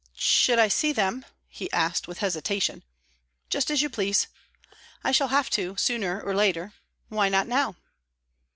"Should I see them?" he asked, with hesitation. "Just as you please." "I shall have to, sooner or later. Why not now?"